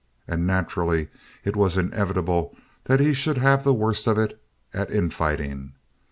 And naturally it was inevitable that he should have the worst of it at infighting.